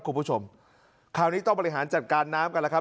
คุณผู้ชมคราวนี้ต้องบริหารจัดการน้ำกันแล้วครับ